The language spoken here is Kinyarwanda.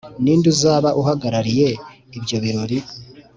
Ni nde uzaba ahagarariye ibyo birori